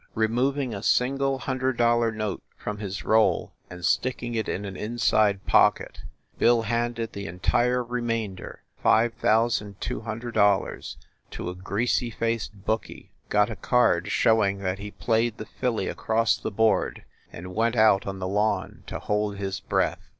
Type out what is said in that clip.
Removing a single hundred dollar note from his roll and sticking it in an inside pocket, Bill handed the entire remainder five thousand, two hundred dollars to a greasy faced bookie, got a card showing that he played the filly across the board, and went out. on the lawn to hold his breath.